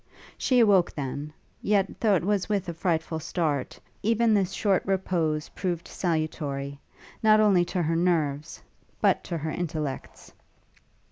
She awoke then; yet, though it was with a frightful start, even this short repose proved salutary, not only to her nerves, but to her intellects.